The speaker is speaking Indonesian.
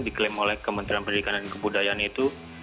diklaim oleh kementerian pendidikan dan kebudayaan itu